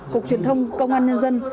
cục truyền thông công an nhân dân